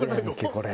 これ。